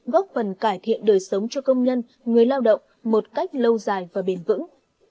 góp phần cải thiện đời sống cho công nhân người lao động một cách lâu dài và bền vững